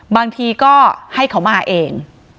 บางทีก็ให้เขามาเอง